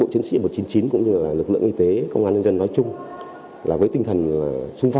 hãy đăng ký kênh để nhận thông tin nhất nhé